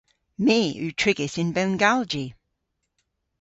My yw trigys yn bengalji.